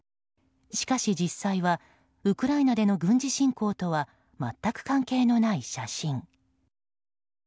しかし実際はウクライナでの軍事侵攻とは全く関係のない写真。